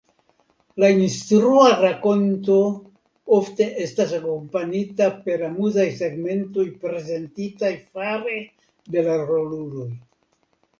La instrua rakonto ofte estas akompanita per amuzaj segmentoj prezentitaj fare de la roluloj.